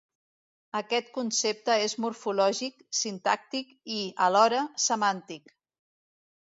Aquest concepte és morfològic, sintàctic i, alhora, semàntic.